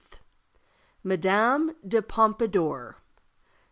Madame de Pompadour.